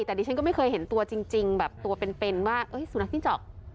แต่ดิฉันก็ไม่เคยเห็นตัวจริงแบบตัวเป็นว่าสุนัขติ๊กจ๊อก